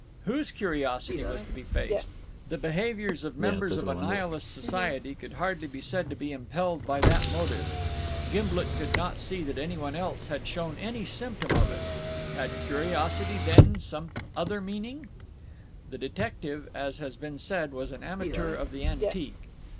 Whose curiosity was to be faced? The behaviour of members of a Nihilist society could hardly be said to be impelled by that motive. Gimblet could not see that anyone else had shown any symptom of it. Had "curiosity," then, some other meaning? The detective, as has been said, was an amateur of the antique.